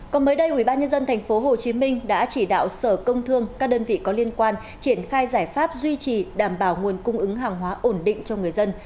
còn mới đây ubnd tp hcm đã chỉ đạo sở công thương các đơn vị có liên quan triển khai giải pháp duy trì đảm bảo nguồn cung ứng hàng hóa ổn định cho người dân